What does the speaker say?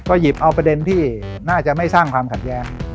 หยิบเอาประเด็นที่น่าจะไม่สร้างความขัดแย้ง